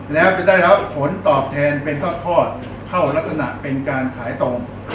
แล้วจะได้รับผลตอบแทนเป็นทอดเข้ารักษณะเป็นการขายตรง